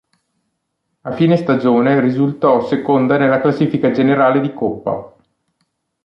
A fine stagione risultò seconda nella classifica generale di Coppa.